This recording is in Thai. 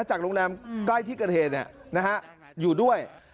จากโรงแรมใกล้ที่กระเทนเนี่ยนะฮะอยู่ด้วย